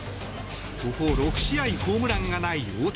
ここ６試合ホームランがない大谷。